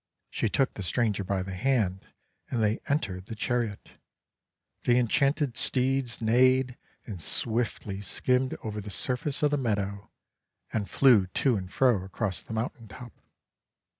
She took the stranger by the hand, and they entered the chariot. The enchanted steeds neighed, and swiftly skimmed over the surface of the meadow, and flew to and fro across the mountain top.